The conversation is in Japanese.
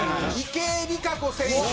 池江璃花子選手。